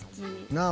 「なあ。